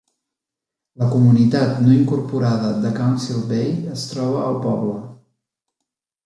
La comunitat no incorporada de Council Bay es troba al poble.